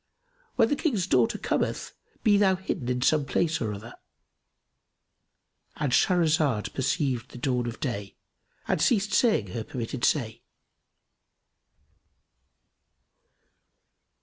When the King's daughter cometh be thou hidden in some place or other";——And Shahrazad perceived the dawn of day and ceased saying her permitted say.